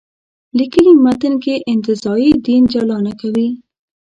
لیکلي متن کې انتزاعي دین جلا نه کوي.